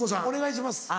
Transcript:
お願いします。